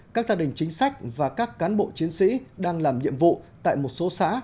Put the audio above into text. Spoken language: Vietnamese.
các gia đình chính sách và các cán bộ chiến sĩ đang làm nhiệm vụ tại một số xã